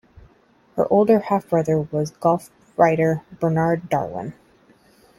Her older half-brother was the golf writer Bernard Darwin.